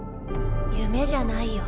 夢じゃないよ。